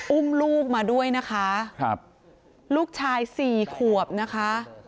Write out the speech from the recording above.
อุ้มลูกมาด้วยนะคะครับลูกชายสี่ขวบนะคะ